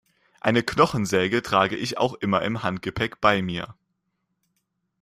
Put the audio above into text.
Eine Knochensäge trage ich auch immer im Handgepäck bei mir.